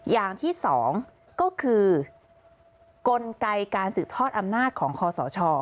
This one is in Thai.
อย่างที่สองก็คือกลไกการสืบทอดอำนาจของคอสช